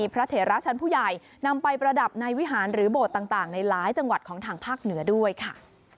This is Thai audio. เถระชั้นผู้ใหญ่นำไปประดับในวิหารหรือโบสถ์ต่างในหลายจังหวัดของทางภาคเหนือด้วยค่ะ